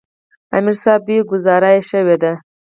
امیر صېب وې " ګذاره ئې شوې ده ـ